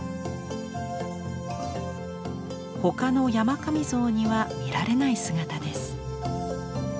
他の山神像には見られない姿です。